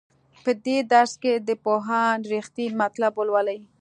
په دې درس کې د پوهاند رښتین مطلب ولولئ.